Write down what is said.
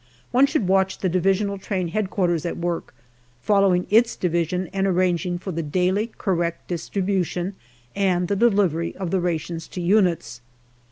One should watch the divisional train H.Q. at work, following its division and arranging for the daily correct distribution and the delivery of the rations to units.